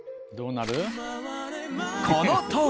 どうなる？